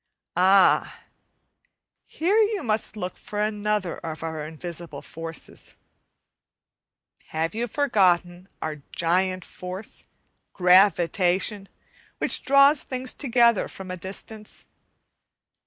Ah! here you must look for another of our invisible forces. Have you forgotten our giant force, "gravitation," which draws things together from a distance?